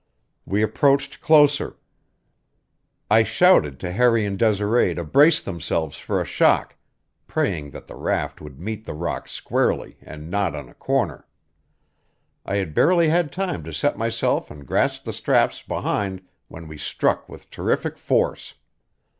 We approached closer; I shouted to Harry and Desiree to brace themselves for a shock, praying that the raft would meet the rock squarely and not on a corner. I had barely had time to set myself and grasp the straps behind when we struck with terrific force.